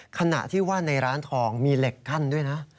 ขณะที่ว่าในร้านทองมีเหล็กกั้นด้วยนะ